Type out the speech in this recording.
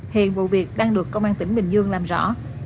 hiện vụ việc đang được công an tỉnh bình dương làm rõ